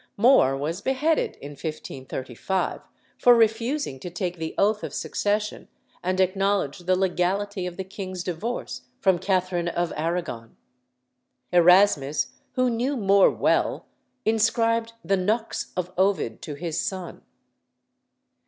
More was beheaded in 1535 for refusing to take the oath of succession and acknowledge the legality of the king's divorce from Catherine of Arragon. Erasmus, who knew More well, inscribed the "Nux" of Ovid to his son.